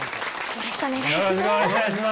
よろしくお願いします。